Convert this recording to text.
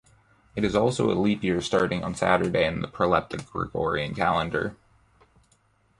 It is also a leap year starting on Saturday, in the Proleptic Gregorian calendar.